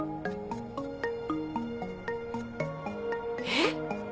えっ？